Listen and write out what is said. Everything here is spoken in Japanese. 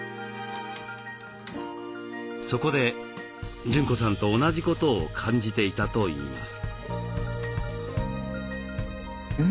そこで淳子さんと同じことを感じていたといいます。